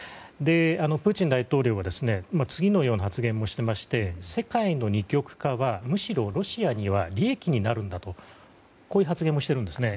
プーチン大統領は次のような発言もしていまして世界の二極化は、むしろロシアには利益になるんだとこういう発言もしてるんですね。